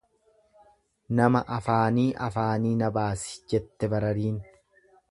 Nama afaanii afaanii na baasi, jette barariin.